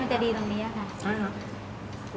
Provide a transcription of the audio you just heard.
มันจะดีตรงนี้อะค่ะ